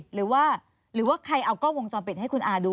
หรือว่าหรือว่าใครเอากล้องวงจรปิดให้คุณอาดู